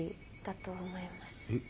えっ？